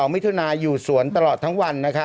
มิถุนายอยู่สวนตลอดทั้งวัน